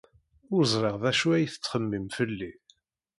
Ur ẓriɣ d acu ay tettxemmim fell-i.